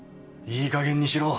いいかげんにしろ